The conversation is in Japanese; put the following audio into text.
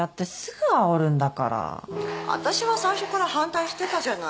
私は最初から反対してたじゃない。